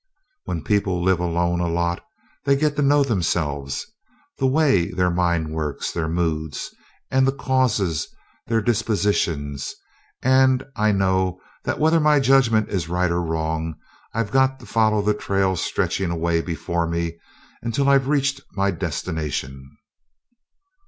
"When people live alone a lot they get to know themselves the way their minds work, their moods and the causes, their dispositions; and I know that whether my judgment is right or wrong I've got to follow the trail stretching away before me until I've reached my destination."